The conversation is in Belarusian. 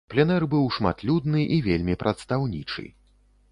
Пленэр быў шматлюдны і вельмі прадстаўнічы.